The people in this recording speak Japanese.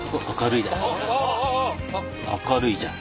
明るいじゃん。